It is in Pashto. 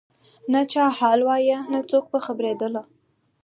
نه چا حال وایه نه څوک په خبرېدله